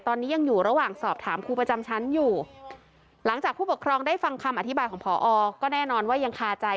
ตอนนี้ยังอยู่ระหว่างสอบถามครูประจำชั้นอยู่หลังจากผู้ปกครองได้ฟังคำอธิบายของพอก็แน่นอนว่ายังคาใจ